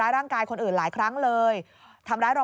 โปรดติดตามต่อไป